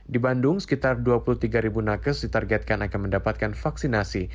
di bandung sekitar dua puluh tiga ribu nakes ditargetkan akan mendapatkan vaksinasi